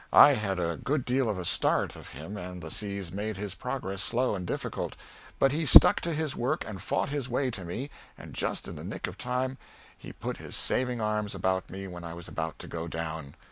I had a good deal of a start of him, and the seas made his progress slow and difficult, but he stuck to his work and fought his way to me, and just in the nick of time he put his saving arms about me when I was about to go down.